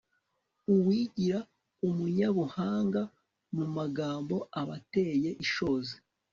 uwigira umunyabuhanga mu magambo aba ateye ishozi